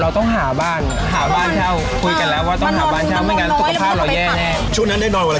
ต้องหาบ้านเช่า